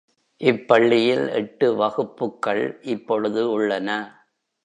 இப்பள்ளியில் எட்டு வகுப்புக்கள் இப்பொழுது உள்ளன.